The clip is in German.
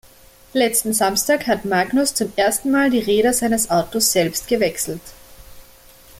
Letzten Samstag hat Magnus zum ersten Mal die Räder seines Autos selbst gewechselt.